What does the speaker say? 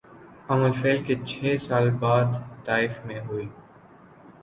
عام الفیل کے چھ سال بعد طائف میں ہوئی